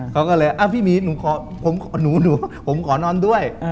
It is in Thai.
เขาก็เลยพี่หมีผมขอนอนด้วย